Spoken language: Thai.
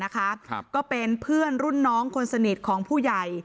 ก็เป็นเพื่อนรุ่นน้องคนสนิทของผู้ใหญ่